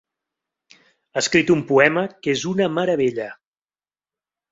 Ha escrit un poema que és una meravella.